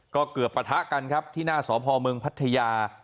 ก็เกือบปะทะกันที่หน้าสพพัทยา